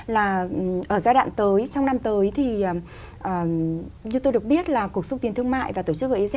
là ở giai đoạn tới trong năm tới thì như tôi được biết là cục xúc tiến thương mại và tổ chức gic